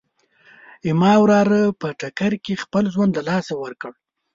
زما وراره په ټکر کې خپل ژوند له لاسه ورکړ